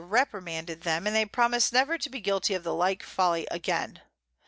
_] reprimanded them, and they promis'd never to be guilty of the like Folly again.